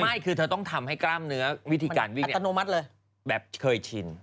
ไม่คือแบบเธอต้องทำให้กล้ามเนื้อวิธีการวิ่งอ่ะแบบเคยชิน